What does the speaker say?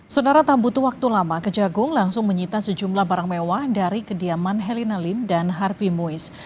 saudara tambutu waktu lama ke jagung langsung menyita sejumlah barang mewah dari kediaman helena lim dan harvey mois